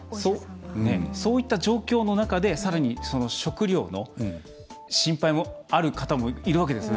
そういった状況の中でさらに食料の心配もある方もいるわけですよね。